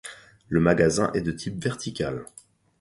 Le magasin est de type vertical.